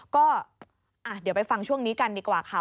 ก็เดี๋ยวไปฟังช่วงนี้กันดีกว่าค่ะ